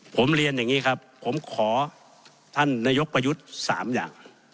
ผมเรียนอย่างนี้ครับผมขอท่านนายกประยุทธ์๓อย่าง